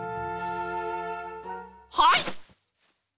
はい！